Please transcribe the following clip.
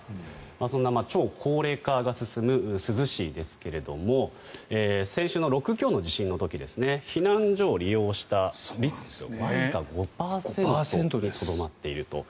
そんな超高齢化が進む珠洲市ですが先週の６強の地震の時避難所を利用した率わずか５％にとどまっていると。